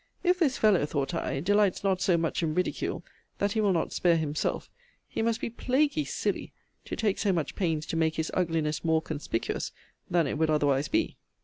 If this fellow, thought I, delights not so much in ridicule, that he will not spare himself, he must be plaguy silly to take so much pains to make his ugliness more conspicuous than it would otherwise be.